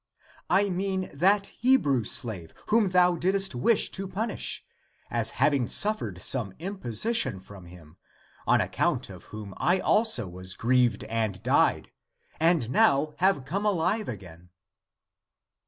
I mean that Hebrew slave whom thou didst wish to punish, as having suffered some im position from him, on account of whom I also was grieved and died, and now have come alive again."